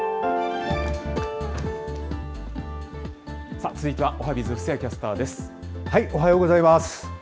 さあ、続いてはおはＢｉｚ、おはようございます。